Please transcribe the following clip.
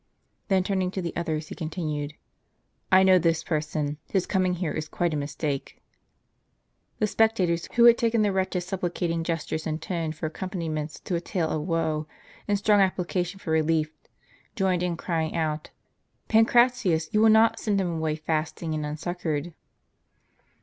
Then turning to the others, he continued: " I know this person ; his coming here is quite a mistake." The spectators, who had taken the wretch's supplicating gestures and tone for accompaniments to a tale of woe, and strong application for relief, joined in crying out, " Pancratius, you will not send him away fasting and unsuccored